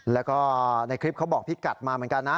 แล้วก็ในคลิปเขาบอกพี่กัดมาเหมือนกันนะ